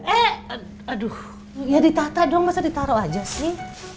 eh aduh ya ditata doang masa ditaruh aja sih